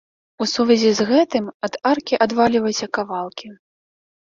У сувязі з гэтым ад аркі адвальваліся кавалкі.